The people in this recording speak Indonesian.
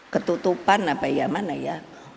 ketutupan apa ya mana ya